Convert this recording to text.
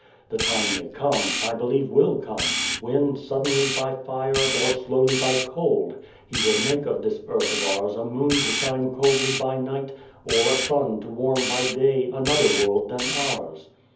The time may come I believe will come when, suddenly by fire, or slowly by cold, He will make of this earth of ours a moon to shine coldly by night, or a sun to warm by day another world than ours.